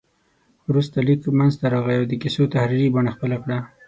وروسته لیک منځته راغی او کیسو تحریري بڼه خپله کړه.